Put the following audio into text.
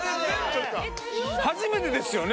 初めてですよね？